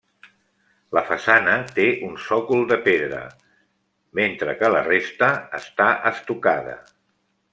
La façana té un sòcol de pedra, metre que la resta està estucada.